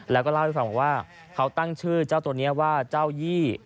แล้วก็เล่าให้ฟังบอกว่าเขาตั้งชื่อเจ้าตัวนี้ว่าเจ้ายี่